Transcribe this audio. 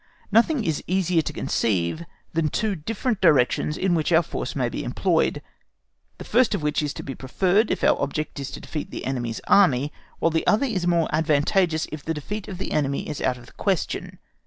Nothing is easier to conceive than two different directions in which our force may be employed, the first of which is to be preferred if our object is to defeat the enemy's Army, while the other is more advantageous if the defeat of the enemy is out of the question.